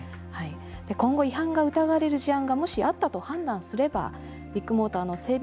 今後、違反が疑われる事案が、もしあったと判断すればビッグモーターの整備